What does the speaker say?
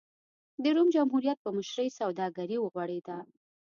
د روم جمهوریت په مشرۍ سوداګري وغوړېده.